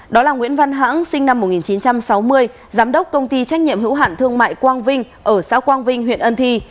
đó là nguyễn văn hãng sinh năm một nghìn chín trăm sáu mươi giám đốc công ty trách nhiệm hữu hạn thương mại quang vinh ở xã quang vinh huyện ân thi